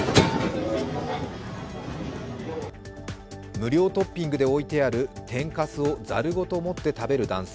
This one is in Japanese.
無料トッピングで置いてある天かすをざるごと持って食べる男性。